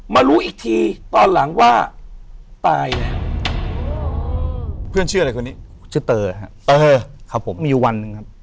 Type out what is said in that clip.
มารู้อีกทีตอนหลังว่าตาย